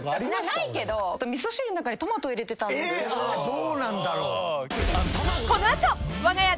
どうなんだろう？